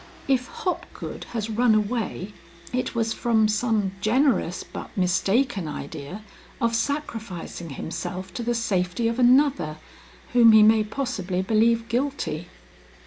"If Hopgood has run away, it was from some generous but mistaken idea of sacrificing himself to the safety of another whom he may possibly believe guilty."